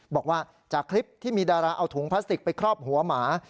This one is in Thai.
บอกว่าจากคลิปที่มีดาราเอาถุงพลาสติกไปครอบหัวหมา